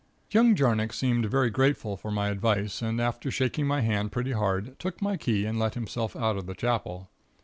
"Young Jarnock seemed very grateful for my advice and after shaking my hand pretty hard, took my key, and let himself out of the Chapel.